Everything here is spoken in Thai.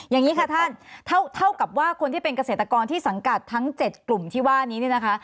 อย่างนี้ค่ะท่านเท่ากับว่าคนที่เป็นเกษตรกรที่สังกัดทั้ง๗กลุ่มที่ว่านี้เนี่ยนะคะ